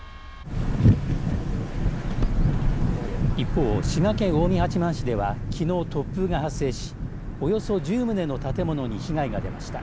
一方、滋賀県近江八幡市ではきのう突風が発生しおよそ１０棟の建物に被害が出ました。